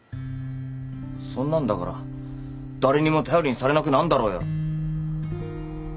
そんなんだから誰にも頼りにされなくなんだろうよ。